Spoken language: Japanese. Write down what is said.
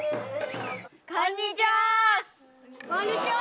こんにちは！